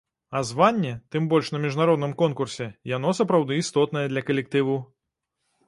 А званне, тым больш на міжнароднымі конкурсе, яно сапраўды істотнае для калектыву.